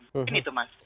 ini itu mas